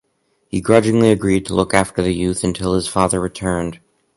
He grudgingly agreed to look after the youth until his father returned.